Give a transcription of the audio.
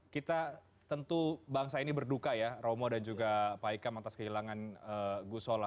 kita tentu bangsa ini berduka ya romo dan juga pak hikam atas kehilangan gusola